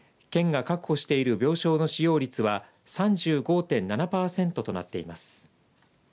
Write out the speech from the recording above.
県が確保している病床の使用率は３５．７パーセントとなっています。